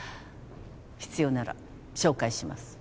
必要なら紹介します